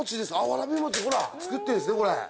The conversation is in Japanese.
わらび餅ほら作ってるんですねこれ。